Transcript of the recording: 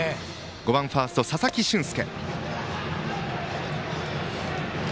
５番ファーストの佐々木駿介。